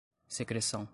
secreção